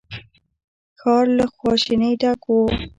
ښار له خواشينۍ ډک و.